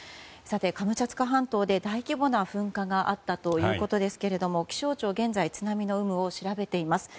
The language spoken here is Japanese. カムチャツカ半島で大規模な噴火があったということですけど気象庁は現在津波の有無を調べています。